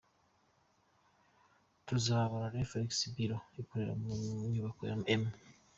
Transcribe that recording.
Tuzamurane Forex Bureau ikorera mu nyubako M.